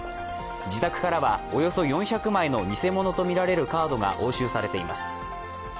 自宅からはおよそ４００枚の偽物とみられるカードが押収されています。